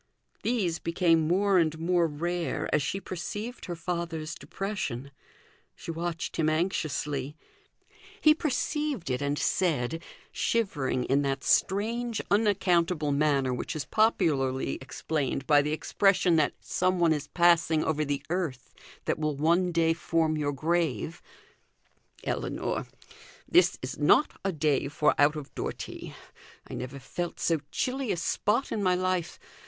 These became more and more rare as she perceived her father's depression. She watched him anxiously. He perceived it, and said shivering in that strange unaccountable manner which is popularly explained by the expression that some one is passing over the earth that will one day form your grave "Ellinor! this is not a day for out of door tea. I never felt so chilly a spot in my life.